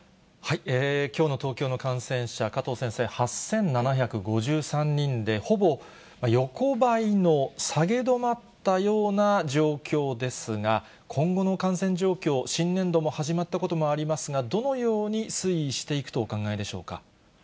きょうの東京の感染者、加藤先生、８７５３人で、ほぼ横ばいの下げ止まったような状況ですが、今後の感染状況、新年度も始まったこともありますが、どのように推移していくとお考えでしょうか。